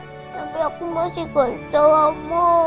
tapi aku masih gajal oma